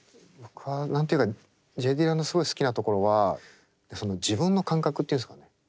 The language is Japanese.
僕は何て言うかＪ・ディラのすごい好きなところは自分の感覚というんですかね